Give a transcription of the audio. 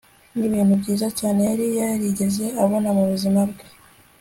nibintu byiza cyane yari yarigeze abona mubuzima bwe